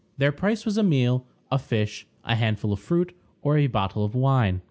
Their price was a meal, a fish, a handful of fruit, or a bottle of wine.